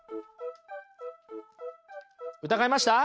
疑いました？